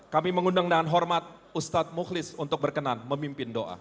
kami mengundang dengan hormat ustadz mukhlis untuk berkenan memimpin doa